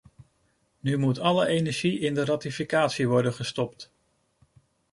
Nu moet alle energie in de ratificatie worden gestopt.